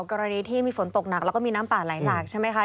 กรณีที่มีฝนตกหนักแล้วก็มีน้ำป่าไหลหลากใช่ไหมคะ